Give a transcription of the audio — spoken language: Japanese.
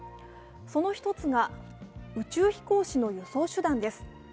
その１つが宇宙飛行士の輸送手段です。